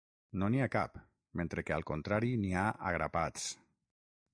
No n’hi ha cap, mentre que al contrari n’hi ha a grapats.